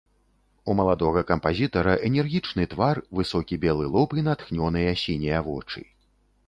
У маладога кампазітара энергічны твар, высокі белы лоб і натхнёныя сінія вочы.